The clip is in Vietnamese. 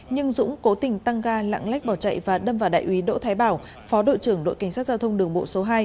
nhưng dũng cố tình tăng ga lãng lách bỏ chạy và đâm vào đại úy đỗ thái bảo phó đội trưởng đội cảnh sát giao thông đường bộ số hai